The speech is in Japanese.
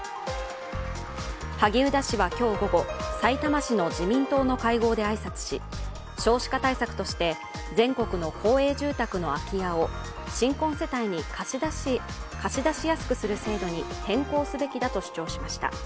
萩生田氏は今日午後、さいたま市の自民党の会合で挨拶し少子化対策として、全国の公営住宅の空き家を新婚世帯に貸し出しやすくする制度に変更すべきだと主張しました。